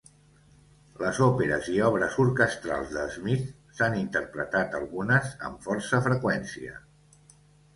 Les òperes i obres orquestrals de Smith s'han interpretat, algunes amb força freqüència.